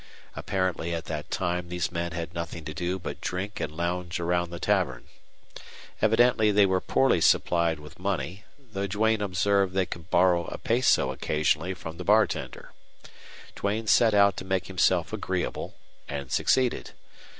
Apparently at that time these men had nothing to do but drink and lounge around the tavern. Evidently they were poorly supplied with money, though Duane observed they could borrow a peso occasionally from the bartender. Duane set out to make himself agreeable and succeeded.